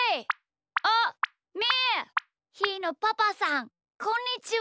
ひーのパパさんこんにちは。